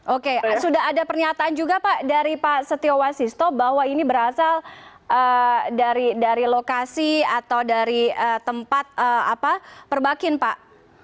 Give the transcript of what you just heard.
oke sudah ada pernyataan juga pak dari pak setio wasisto bahwa ini berasal dari lokasi atau dari tempat perbakin pak